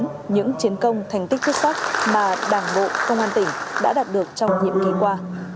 những chiến công thành tích xuất sắc mà đảng bộ công an tỉnh đã đạt được trong nhiệm kỳ qua